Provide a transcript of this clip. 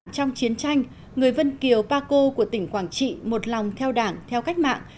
trong chiến tranh người vân kiều pa co của tỉnh quảng trị một lòng theo đảng theo cách mạng